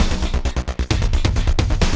gak ada apa apa